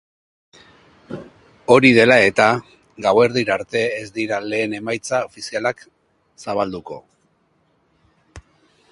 Hori dela eta, gauerdira arte ez dira lehen emaitza ofizialak zabalduko.